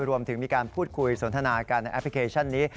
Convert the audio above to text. รวมถึงมีการพูดคุยสนทนากันในแอปพลิเคชันนี้